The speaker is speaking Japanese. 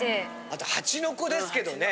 あと蜂の子ですけどね。